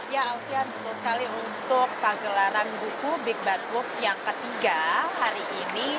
ya alkian betul sekali untuk kegelaran buku big bad wolf yang ketiga hari ini